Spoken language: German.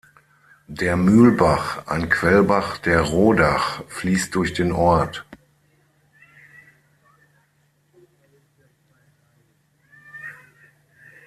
Der Mühlbach, ein Quellbach der Rodach, fließt durch den Ort.